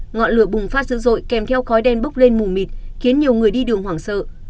ngọn lửa bùng phát dữ dội kèm theo khói đen bốc lên mù mịt khiến nhiều người đi đường hoảng sợ